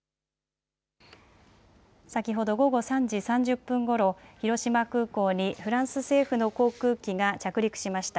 先ほど午後３時３０分ごろ、広島空港にフランス政府の航空機が着陸しました。